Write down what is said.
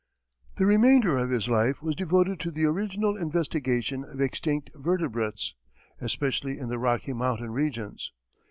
The remainder of his life was devoted to the original investigation of extinct vertebrates, especially in the Rocky Mountain regions.